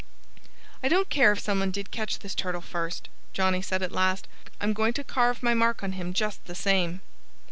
"I don't care if some one did catch this turtle first," Johnnie said at last. "I'm going to carve my mark on him just the same."